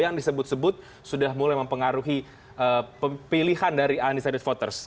yang disebut sebut sudah mulai mempengaruhi pilihan dari undecided voters